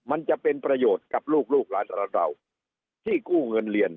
มันจะเป็นประโยชน์กับลูกลูกหลานเราที่กู้เงินเรียน